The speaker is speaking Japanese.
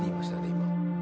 今。